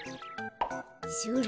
それ。